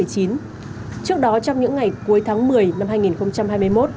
trước đó trong những ngày cuối tháng một mươi năm hai nghìn hai mươi một